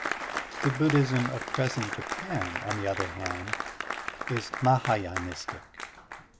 The Bucidhism of present Japan, on the other hand, is Mah^y^nistic.